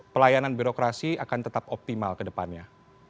pelayanan birokrasi akan tetap optimal ke depannya